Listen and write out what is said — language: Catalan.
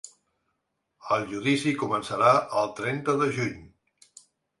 El judici començarà el trenta de juny.